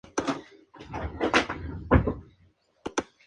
Juega como volante ofensivo y actualmente se desempeña en el Club Sport Marítimo.